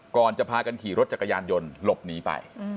ก่อนจะพากันขี่รถจักรยานยนต์หลบหนีไป